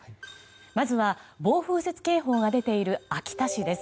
まずは、暴風雪警報が出ている秋田市です。